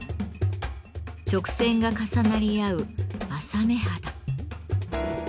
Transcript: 直線が重なり合う「柾目肌」。